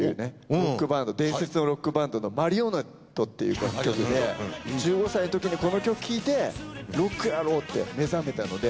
ロックバンド伝説のロックバンドの『Ｍａｒｉｏｎｅｔｔｅ』っていう楽曲で１５歳のときにこの曲聴いてロックやろうって目覚めたので。